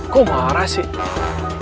kok marah sih